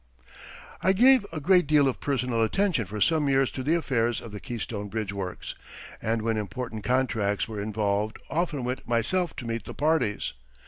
I gave a great deal of personal attention for some years to the affairs of the Keystone Bridge Works, and when important contracts were involved often went myself to meet the parties.